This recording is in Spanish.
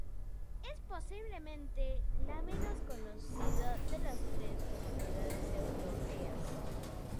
Es posiblemente la menos conocida de las tres Comunidades Europeas.